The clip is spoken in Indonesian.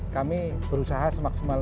kami berusaha semaksimal